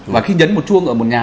và khi nhấn một chuông ở một nhà